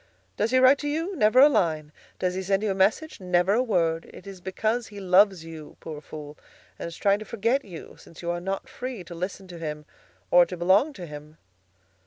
Does he write to you? Never a line. Does he send you a message? Never a word. It is because he loves you, poor fool, and is trying to forget you, since you are not free to listen to him or to belong to him."